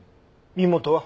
身元は？